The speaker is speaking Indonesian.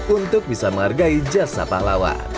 untuk bisa menghargai nasi padang yang sudah ada di indonesia